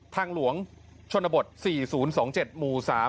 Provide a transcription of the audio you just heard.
ทางหลวงชนบท๔๐๒๗หมู่๓